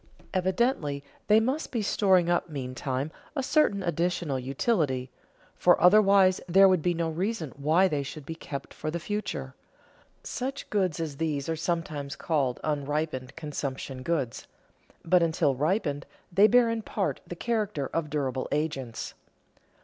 Evidently they must be storing up meantime a certain additional utility, for otherwise there would be no reason why they should be kept for the future. Such goods as these are sometimes called unripened consumption goods, but until ripened they bear in part the character of durable agents.